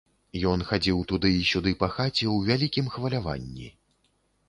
Ён хадзіў туды і сюды па хаце ў вялікім хваляванні.